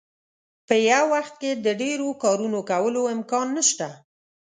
په یو وخت کې د ډیرو کارونو کولو امکان نشته.